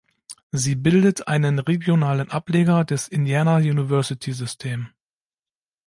Sie bildet einen regionalen Ableger des Indiana University System.